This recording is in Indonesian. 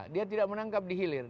dia tidak menangkap dihilir